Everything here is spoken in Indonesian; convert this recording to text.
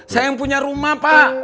saya yang punya rumah pak